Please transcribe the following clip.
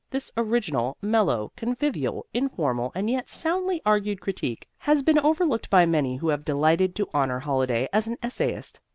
This original, mellow, convivial, informal and yet soundly argued critique has been overlooked by many who have delighted to honor Holliday as an essayist.